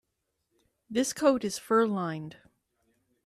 This coat is fur-lined.